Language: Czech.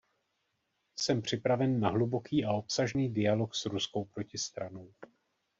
Jsem připraven na hluboký a obsažný dialog s ruskou protistranou.